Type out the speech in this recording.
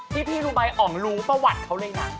พี่รู้ไหมอ๋องรู้ประวัติเขาเลยนะ